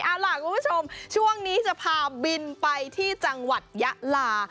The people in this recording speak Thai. เอาล่ะคุณผู้ชมช่วงนี้จะพาบินไปที่จังหวัดยะลา